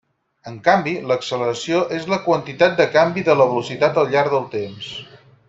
En canvi, l'acceleració és la quantitat de canvi de la velocitat al llarg del temps.